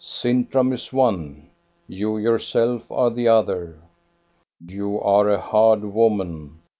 " Sintram is one, you yourself are the other. You are a hard woman.